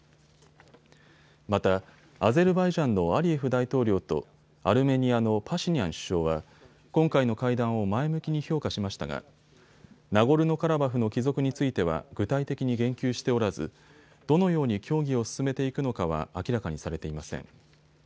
また、アゼルバイジャンのアリエフ大統領とアルメニアのパシニャン首相は今回の会談を前向きに評価しましたがナゴルノカラバフの帰属については具体的に言及しておらずどのように協議を進めていくのかは明らかにされていません。